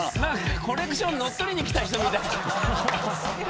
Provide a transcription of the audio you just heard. コレクションを乗っ取りに来た人みたい。